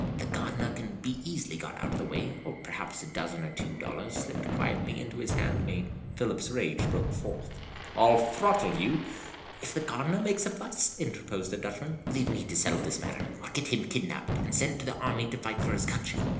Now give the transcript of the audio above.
The gardener can be easily got out of the way, or perhaps a dozen or two dollars slipped quietly into his hand may " Philip's rage broke forth. "I'll throttle you " "If the gardener makes a fuss?" interposed the Dutchman. "Leave me to settle this matter. I'll get him kidnapped, and sent to the army to fight for his country.